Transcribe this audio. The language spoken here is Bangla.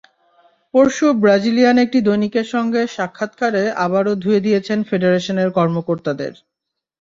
পরশু ব্রাজিলিয়ান একটি দৈনিকের সঙ্গে সাক্ষাৎকারে আবারও ধুয়ে দিয়েছেন কনফেডারেশনের কর্মকর্তাদের।